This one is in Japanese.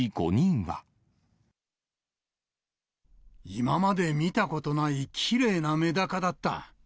今まで見たことないきれいなメダカだった。